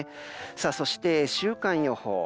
そして、週間予報。